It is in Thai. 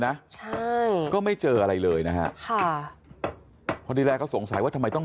นะก็ไม่เจออะไรเลยนะคะเพราะที่แรกเขาสงสัยว่าทำไมต้อง